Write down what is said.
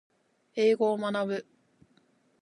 英語を学ぶ